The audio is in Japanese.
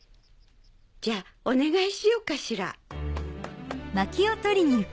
じゃあお願いしようかしら。